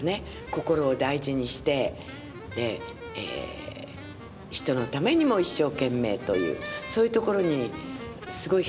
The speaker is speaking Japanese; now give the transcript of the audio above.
心を大事にして人のためにも一生懸命というそういうところにすごい引かれまして。